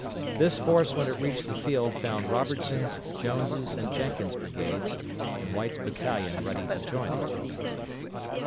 This force when it reached the field found Robertson's, Jones', and Jenkins' brigades, and White's battalion ready to join it.